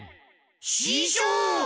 ししょう！